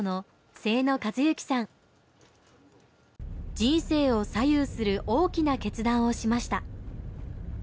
人生を左右する大きな決断をしました。